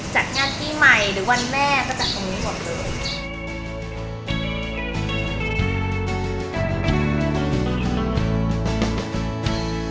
จัดงานปีใหม่หรือวันแม่ก็จัดตรงนี้หมดเลย